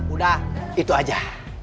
udah itu aja